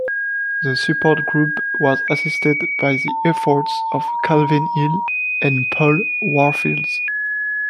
The support group was assisted by the efforts of Calvin Hill and Paul Warfield.